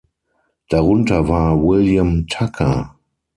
Darunter war William Tucker.